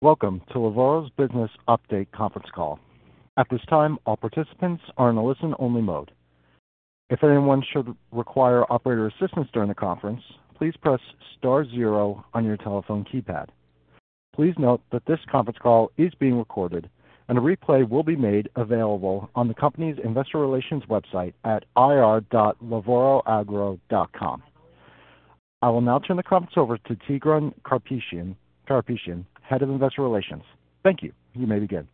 Welcome to Lavoro's Business update conference call. At this time, all participants are in a listen-only mode. If anyone should require operator assistance during the conference, please press star zero on your telephone keypad. Please note that this conference call is being recorded, and a replay will be made available on the company's investor relations website at ir.lavoroagro.com. I will now turn the conference over to Tigran Karapetian, Head of Investor Relations. Thank you. You may begin.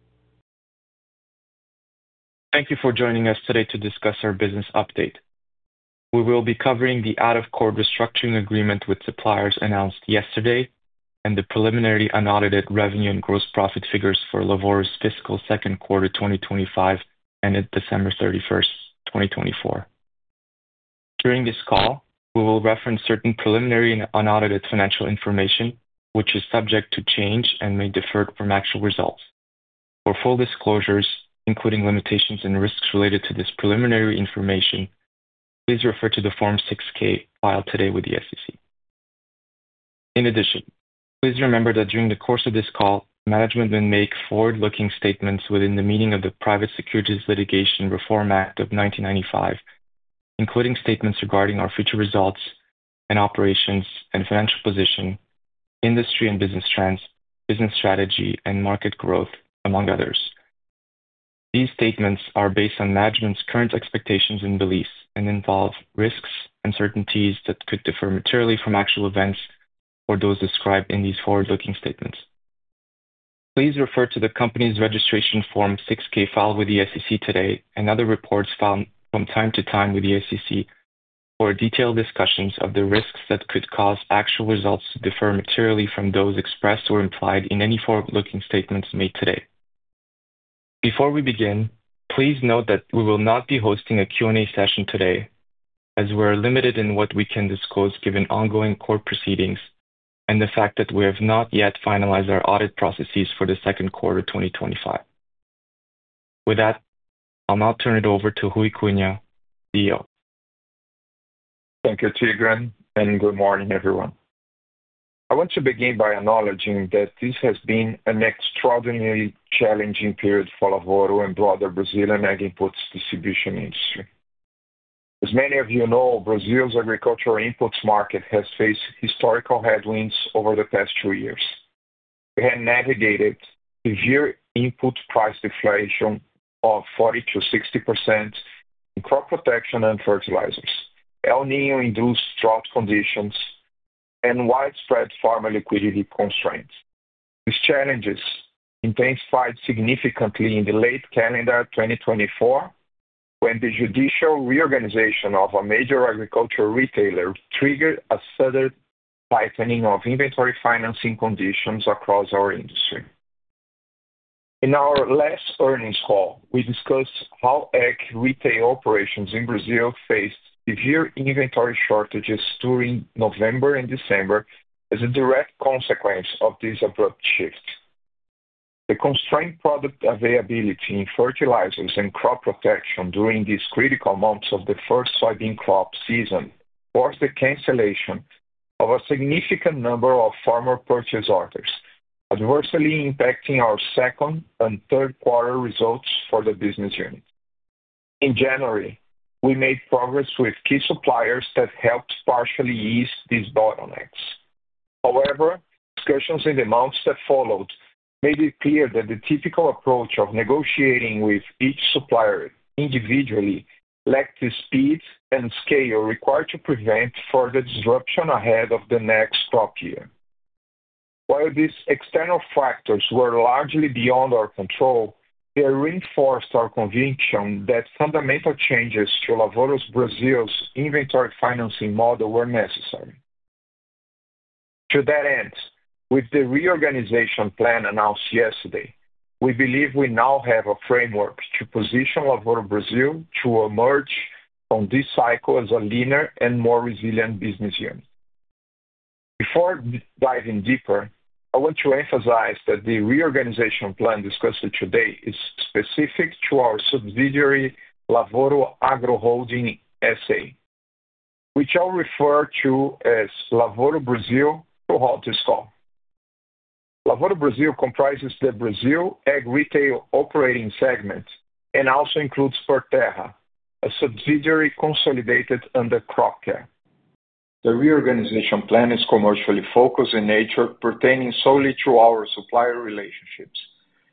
Thank you for joining us today to discuss our business update. We will be covering the out-of-court restructuring agreement with suppliers announced yesterday and the preliminary unaudited revenue and gross profit figures for Lavoro's fiscal second quarter 2025 ended December 31st, 2024. During this call, we will reference certain preliminary and unaudited financial information, which is subject to change and may differ from actual results. For full disclosures, including limitations and risks related to this preliminary information, please refer to the Form 6-K filed today with the SEC. In addition, please remember that during the course of this call, management may make forward-looking statements within the meaning of the Private Securities Litigation Reform Act of 1995, including statements regarding our future results and operations and financial position, industry and business trends, business strategy, and market growth, among others. These statements are based on management's current expectations and beliefs and involve risks, uncertainties that could differ materially from actual events or those described in these forward-looking statements. Please refer to the company's registration Form 6-K filed with the SEC today and other reports filed from time to time with the SEC for detailed discussions of the risks that could cause actual results to differ materially from those expressed or implied in any forward-looking statements made today. Before we begin, please note that we will not be hosting a Q&A session today as we are limited in what we can disclose given ongoing court proceedings and the fact that we have not yet finalized our audit processes for the second quarter 2025. With that, I'll now turn it over to Ruy Cunha, CEO. Thank you, Tigran, and good morning, everyone. I want to begin by acknowledging that this has been an extraordinarily challenging period for Lavoro and the broader Brazilian ag inputs distribution industry. As many of you know, Brazil's agricultural inputs market has faced historical headwinds over the past two years. We have navigated severe input price deflation of 40%-60% in crop protection and fertilizers, El Niño-induced drought conditions, and widespread farmer liquidity constraints. These challenges intensified significantly in late calendar 2024 when the judicial reorganization of a major agricultural retailer triggered a sudden tightening of inventory financing conditions across our industry. In our last earnings call, we discussed how ag retail operations in Brazil faced severe inventory shortages during November and December as a direct consequence of this abrupt shift. The constrained product availability in fertilizers and crop protection during these critical months of the first soybean crop season forced the cancellation of a significant number of farmer purchase orders, adversely impacting our second and third quarter results for the business unit. In January, we made progress with key suppliers that helped partially ease these bottlenecks. However, discussions in the months that followed made it clear that the typical approach of negotiating with each supplier individually lacked the speed and scale required to prevent further disruption ahead of the next crop year. While these external factors were largely beyond our control, they reinforced our conviction that fundamental changes to Lavoro Brazil's inventory financing model were necessary. To that end, with the reorganization plan announced yesterday, we believe we now have a framework to position Lavoro Brazil to emerge from this cycle as a leaner and more resilient business unit. Before diving deeper, I want to emphasize that the reorganization plan discussed today is specific to our subsidiary Lavoro Agro Holding S.A., which I'll refer to as Lavoro Brazil throughout this call. Lavoro Brazil comprises the Brazil ag retail operating segment and also includes Proterra, a subsidiary consolidated under Lavoro Brazil. The reorganization plan is commercially focused in nature, pertaining solely to our supplier relationships,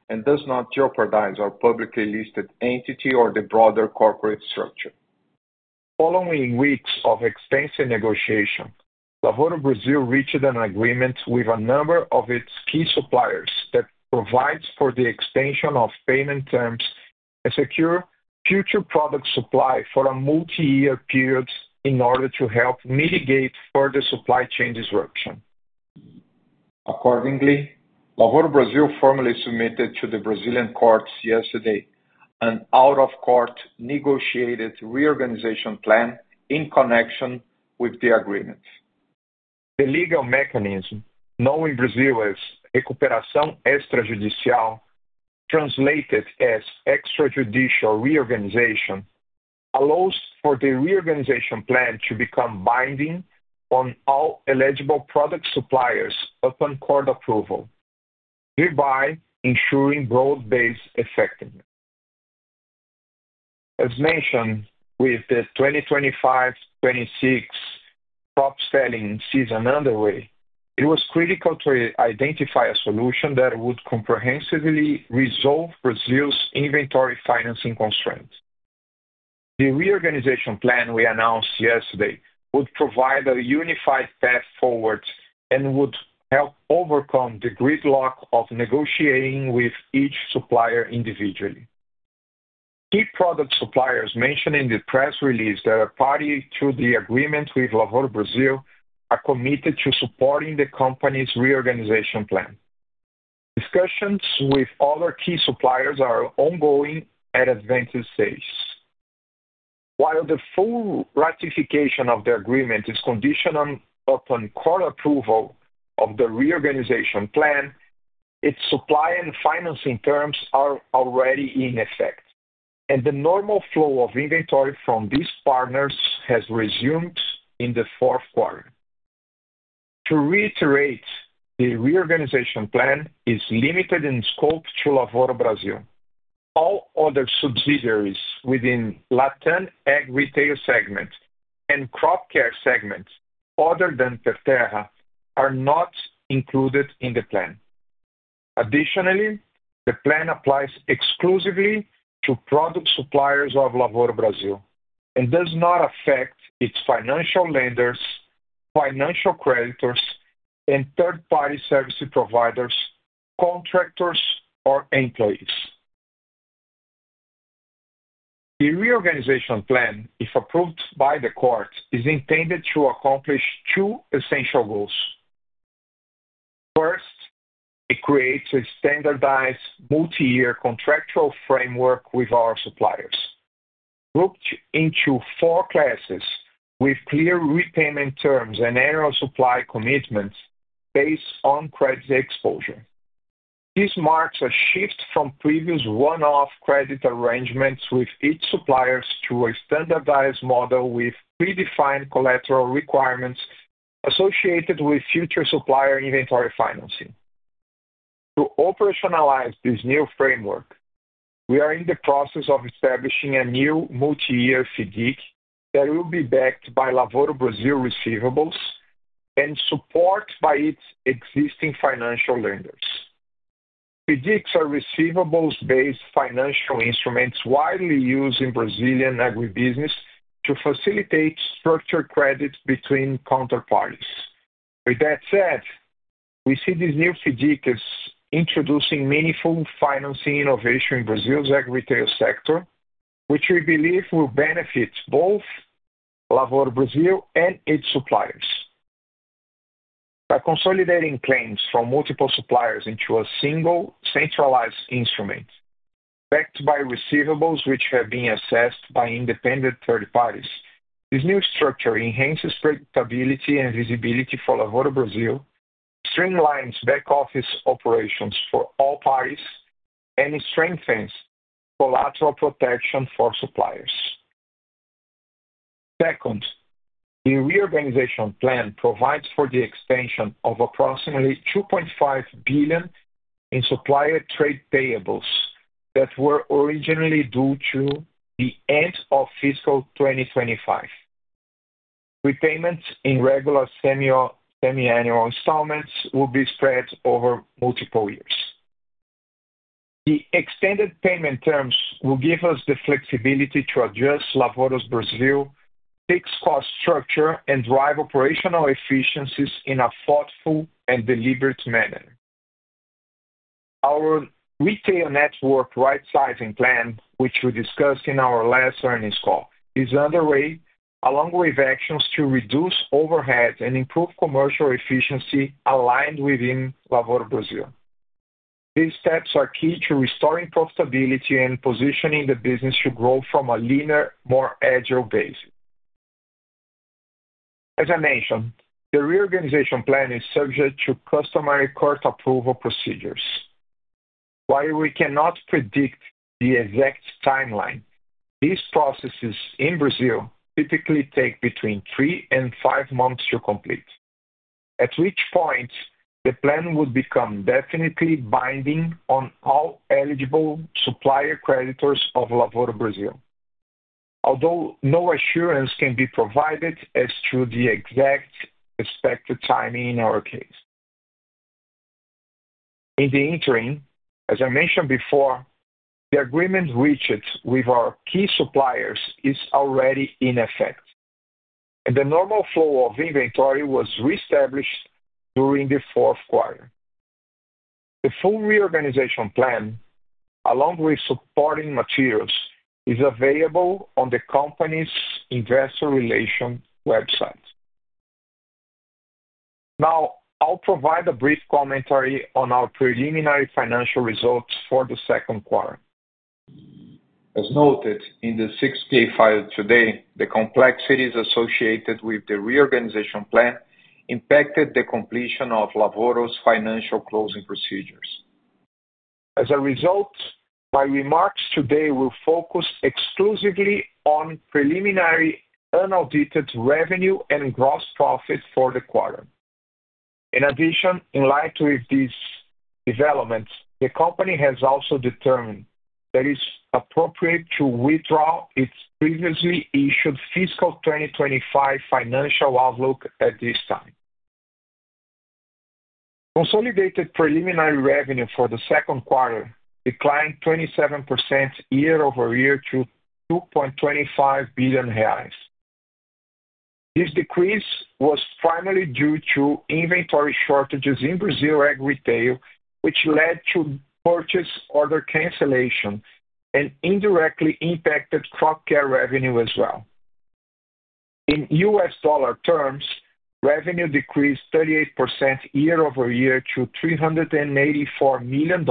and does not jeopardize our publicly listed entity or the broader corporate structure. Following weeks of extensive negotiation, Lavoro Brazil reached an agreement with a number of its key suppliers that provides for the extension of payment terms and secures future product supply for a multi-year period in order to help mitigate further supply chain disruption. Accordingly, Lavoro Brazil formally submitted to the Brazilian courts yesterday an out-of-court negotiated reorganization plan in connection with the agreement. The legal mechanism, known in Brazil as recuperação extrajudicial, translated as extrajudicial reorganization, allows for the reorganization plan to become binding on all eligible product suppliers upon court approval, thereby ensuring broad-based effectiveness. As mentioned, with the 2025-2026 crop selling season underway, it was critical to identify a solution that would comprehensively resolve Brazil's inventory financing constraints. The reorganization plan we announced yesterday would provide a unified path forward and would help overcome the gridlock of negotiating with each supplier individually. Key product suppliers mentioned in the press release that are party to the agreement with Lavoro Brazil are committed to supporting the company's reorganization plan. Discussions with other key suppliers are ongoing at advanced stages. While the full ratification of the agreement is conditional upon court approval of the reorganization plan, its supply and financing terms are already in effect, and the normal flow of inventory from these partners has resumed in the fourth quarter. To reiterate, the reorganization plan is limited in scope to Lavoro Brazil. All other subsidiaries within the Latin ag retail segment and crop care segment, other than Proterra, are not included in the plan. Additionally, the plan applies exclusively to product suppliers of Lavoro Brazil and does not affect its financial lenders, financial creditors, and third-party service providers, contractors, or employees. The reorganization plan, if approved by the court, is intended to accomplish two essential goals. First, it creates a standardized multi-year contractual framework with our suppliers, grouped into four classes with clear repayment terms and annual supply commitments based on credit exposure. This marks a shift from previous one-off credit arrangements with each supplier to a standardized model with predefined collateral requirements associated with future supplier inventory financing. To operationalize this new framework, we are in the process of establishing a new multi-year FIDC that will be backed by Lavoro Brazil receivables and supported by its existing financial lenders. FIDCs are receivables-based financial instruments widely used in Brazilian agribusiness to facilitate structured credit between counterparties. With that said, we see this new FIDC as introducing meaningful financing innovation in Brazil's ag retail sector, which we believe will benefit both Lavoro Brazil and its suppliers. By consolidating claims from multiple suppliers into a single centralized instrument backed by receivables which have been assessed by independent third parties, this new structure enhances predictability and visibility for Lavoro Brazil, streamlines back office operations for all parties, and strengthens collateral protection for suppliers. Second, the reorganization plan provides for the extension of approximately 2.5 billion in supplier trade payables that were originally due to the end of fiscal 2025. Repayments in regular semi-annual installments will be spread over multiple years. The extended payment terms will give us the flexibility to adjust Lavoro's Brazil fixed cost structure and drive operational efficiencies in a thoughtful and deliberate manner. Our retail network rightsizing plan, which we discussed in our last earnings call, is underway along with actions to reduce overhead and improve commercial efficiency aligned within Lavoro Brazil. These steps are key to restoring profitability and positioning the business to grow from a leaner, more agile base. As I mentioned, the reorganization plan is subject to customary court approval procedures. While we cannot predict the exact timeline, these processes in Brazil typically take between three and five months to complete, at which point the plan would become definitely binding on all eligible supplier creditors of Lavoro Brazil, although no assurance can be provided as to the exact expected timing in our case. In the interim, as I mentioned before, the agreement reached with our key suppliers is already in effect, and the normal flow of inventory was reestablished during the fourth quarter. The full reorganization plan, along with supporting materials, is available on the company's investor relations website. Now, I'll provide a brief commentary on our preliminary financial results for the second quarter. As noted in the 6-K file today, the complexities associated with the reorganization plan impacted the completion of Lavoro's financial closing procedures. As a result, my remarks today will focus exclusively on preliminary unaudited revenue and gross profit for the quarter. In addition, in light of these developments, the company has also determined that it is appropriate to withdraw its previously issued fiscal 2025 financial outlook at this time. Consolidated preliminary revenue for the second quarter declined 27% year-over-year to BRL 2.25 billion. This decrease was primarily due to inventory shortages in Brazil ag retail, which led to purchase order cancellation and indirectly impacted crop care revenue as well. In U.S. dollar terms, revenue decreased 38% year-over-year to $384 million,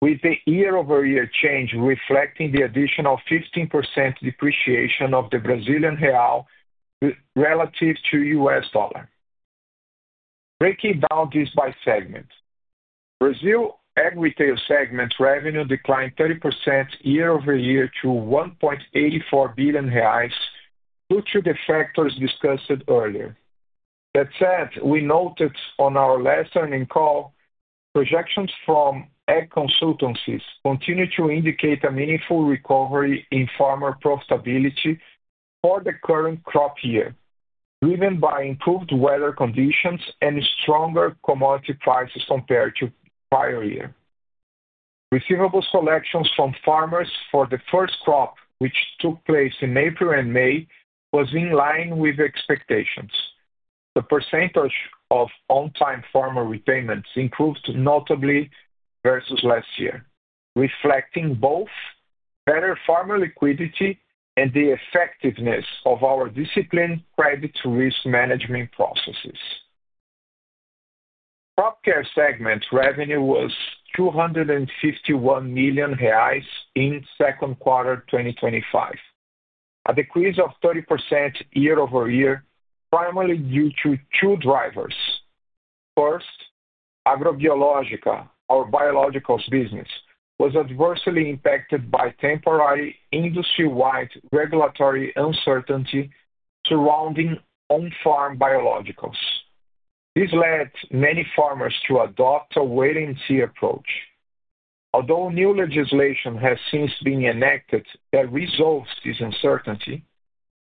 with the year-over-year change reflecting the additional 15% depreciation of the Brazilian real relative to the U.S. dollar. Breaking down this by segment, Brazil ag retail segment revenue declined 30% year-over-year to 1.84 billion reais due to the factors discussed earlier. That said, we noted on our last earnings call that projections from ag consultancies continue to indicate a meaningful recovery in farmer profitability for the current crop year, driven by improved weather conditions and stronger commodity prices compared to the prior year. Receivables collections from farmers for the first crop, which took place in April and May, were in line with expectations. The percentage of on-time farmer repayments improved notably versus last year, reflecting both better farmer liquidity and the effectiveness of our disciplined credit risk management processes. Crop care segment revenue was 251 million reais in second quarter 2025, a decrease of 30% year-over-year, primarily due to two drivers. First, Agrobiológica, our biologicals business, was adversely impacted by temporary industry-wide regulatory uncertainty surrounding on-farm biologicals. This led many farmers to adopt a wait-and-see approach. Although new legislation has since been enacted that resolves this uncertainty,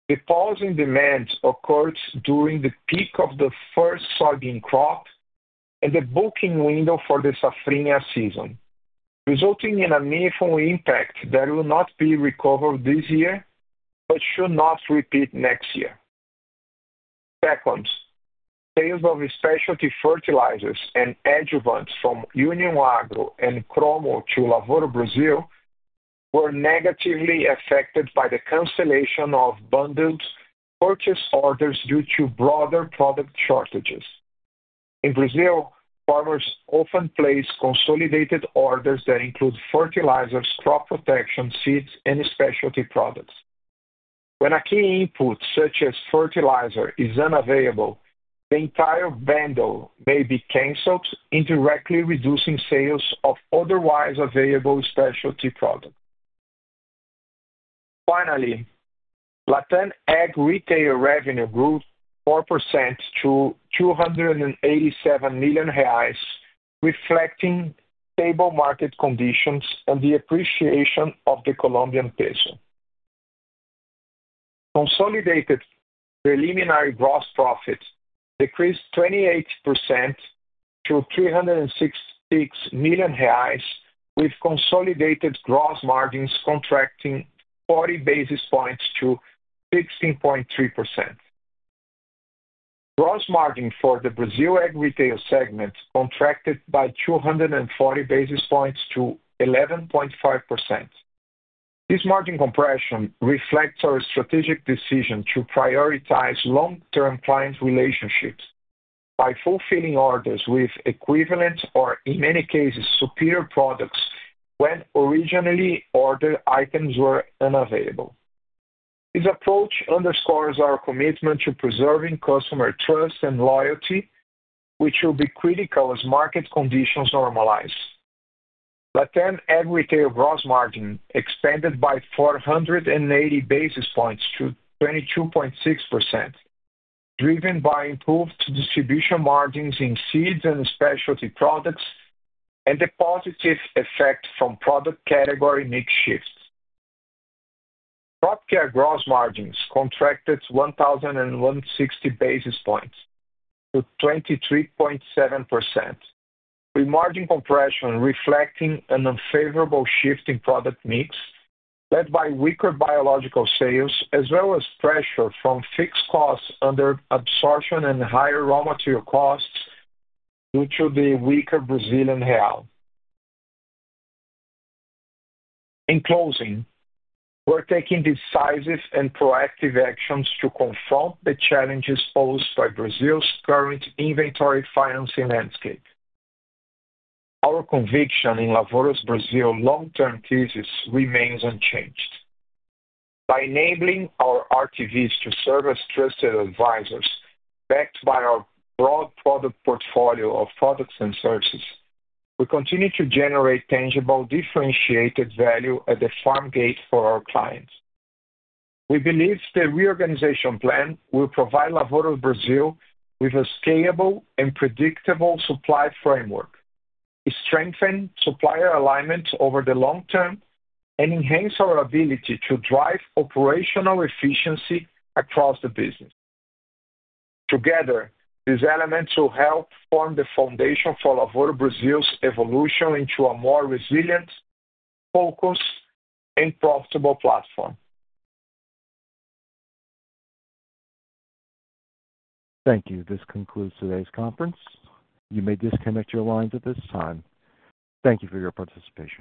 the pause in demand occurred during the peak of the first soybean crop and the booking window for the Safrinha season, resulting in a meaningful impact that will not be recovered this year but should not repeat next year. Second, sales of specialty fertilizers and adjuvants from Union Agro and Cromo to Lavoro Brazil were negatively affected by the cancellation of bundled purchase orders due to broader product shortages. In Brazil, farmers often place consolidated orders that include fertilizers, crop protection, seeds, and specialty products. When a key input such as fertilizer is unavailable, the entire bundle may be canceled, indirectly reducing sales of otherwise available specialty products. Finally, Latin ag retail revenue grew 4% to 287 million reais, reflecting stable market conditions and the appreciation of the Colombian peso. Consolidated preliminary gross profit decreased 28% to 366 million reais, with consolidated gross margins contracting 40 basis points to 16.3%. Gross margin for the Brazil ag retail segment contracted by 240 basis points to 11.5%. This margin compression reflects our strategic decision to prioritize long-term client relationships by fulfilling orders with equivalent or, in many cases, superior products when originally ordered items were unavailable. This approach underscores our commitment to preserving customer trust and loyalty, which will be critical as market conditions normalize. Latin ag retail gross margin expanded by 480 basis points to 22.6%, driven by improved distribution margins in seeds and specialty products and the positive effect from product category mix shifts. Crop care gross margins contracted 1,160 basis points to 23.7%, with margin compression reflecting an unfavorable shift in product mix led by weaker biological sales as well as pressure from fixed costs under absorption and higher raw material costs due to the weaker Brazilian real. In closing, we're taking decisive and proactive actions to confront the challenges posed by Brazil's current inventory financing landscape. Our conviction in Lavoro's Brazil long-term thesis remains unchanged. By enabling our RTVs to serve as trusted advisors backed by our broad product portfolio of products and services, we continue to generate tangible differentiated value at the farm gate for our clients. We believe the reorganization plan will provide Lavoro Brazil with a scalable and predictable supply framework, strengthen supplier alignment over the long term, and enhance our ability to drive operational efficiency across the business. Together, these elements will help form the foundation for Lavoro Brazil's evolution into a more resilient, focused, and profitable platform. Thank you. This concludes today's conference. You may disconnect your lines at this time. Thank you for your participation.